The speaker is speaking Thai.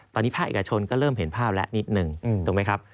ตอนนี้ภาคเอกชนก็เริ่มเห็นภาพแล้วนิดหนึ่งถูกไหมครับ